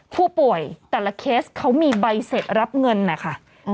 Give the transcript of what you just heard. ผู้ป่วยแต่ละเคสเขามีใบเสร็จรับเงินนะคะ